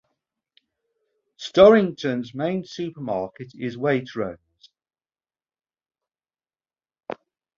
Storrington's main supermarket is Waitrose.